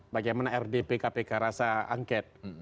bagaimana rdp kpk rasa angket